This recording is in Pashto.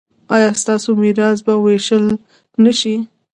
ایا ستاسو میراث به ویشل نه شي؟